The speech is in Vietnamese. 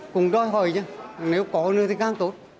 cùng đòi hỏi nha nếu có nữa thì càng tốt